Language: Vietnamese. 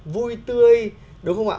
vui tươi đúng không ạ